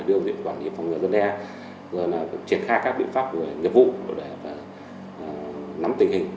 điều diễn quản lý phòng ngừa dân đe triển khai các biện pháp về nhiệm vụ để nắm tình hình